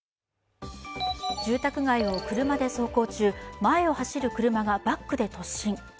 住宅街を車で走行中、前を走る車がバックで突進。